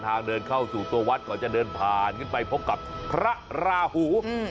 เดินเข้าสู่ตัววัดก่อนจะเดินผ่านขึ้นไปพบกับพระราหู